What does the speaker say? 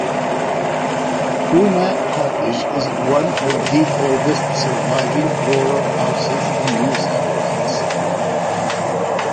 Cooma Cottage is one of the oldest surviving rural houses in New South Wales.